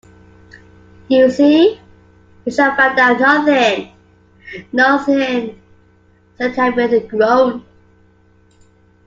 "You see, we shall find out nothing — nothing," said Harry, with a groan.